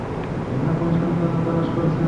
আপনি সান্ত্বনা তালাশ করছেন?